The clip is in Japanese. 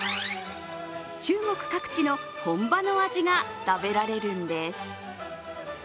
中国各地の本場の味が食べられるんです。